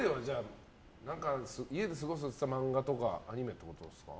家過ごすっていったら漫画とかアニメってことですか？